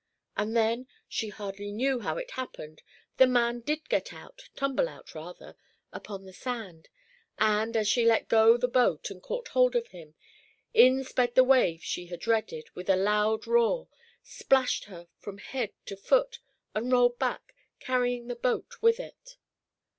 And then she hardly knew how it happened the man did get out tumble out rather upon the sand; and, as she let go the boat and caught hold of him, in sped the wave she had dreaded, with a loud roar, splashed her from head to foot, and rolled back, carrying the boat with it.